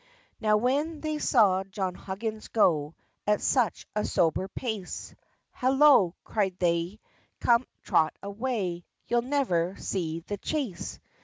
Now when they saw John Huggins go At such a sober pace; "Hallo!" cried they; "come, trot away, You'll never see the chase!"